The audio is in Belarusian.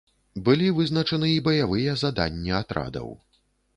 Былі вызначаны і баявыя заданні атрадаў.